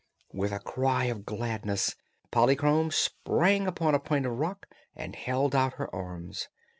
With a cry of gladness Polychrome sprang upon a point of rock and held out her arms.